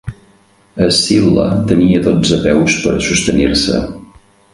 Escil·la tenia dotze peus per a sostenir-se.